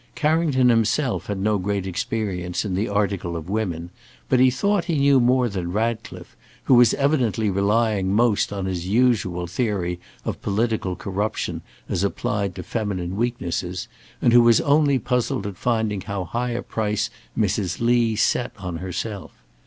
Carrington himself had no great experience in the article of women, but he thought he knew more than Ratcliffe, who was evidently relying most on his usual theory of political corruption as applied to feminine weaknesses, and who was only puzzled at finding how high a price Mrs. Lee set on herself.